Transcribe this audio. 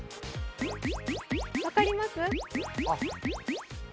分かります？